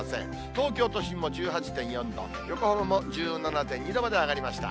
東京都心も１８．４度、横浜も１７．２度まで上がりました。